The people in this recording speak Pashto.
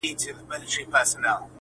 بيا يې كش يو ځل تر لاس بيا تر سږمه كړ -